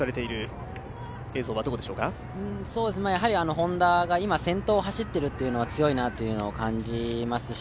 Ｈｏｎｄａが今、先頭を走っているというのは強いなというのは感じますし